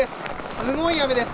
すごい雨です。